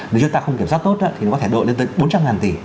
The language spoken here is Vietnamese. nếu chúng ta không kiểm soát tốt thì nó có thể đội lên tới bốn trăm linh tỷ